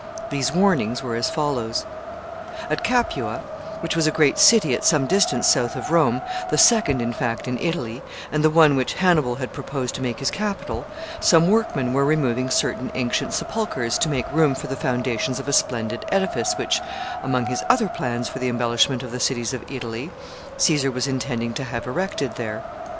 These warnings were as follows: [Sidenote: The tomb and inscription.] At Capua, which was a great city at some distance south of Rome, the second, in fact, in Italy, and the one which Hannibal had proposed to make his capital, some workmen were removing certain ancient sepulchers to make room for the foundations of a splendid edifice which, among his other plans for the embellishment of the cities of Italy, Caesar was intending to have erected there.